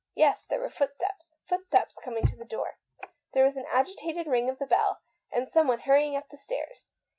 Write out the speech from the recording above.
Yes, there were foot steps — footsteps coming to the door. There was an agitated ring of the bell, and someone hurrying up the stairs.